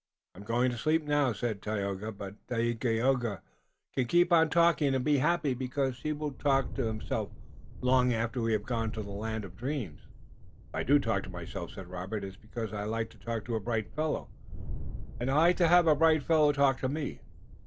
"I'm going to sleep now," said Tayoga, "but Dagaeoga can keep on talking and be happy, because he will talk to himself long after we have gone to the land of dreams." "If I do talk to myself," said Robert, "it's because I like to talk to a bright fellow, and I like to have a bright fellow talk to me.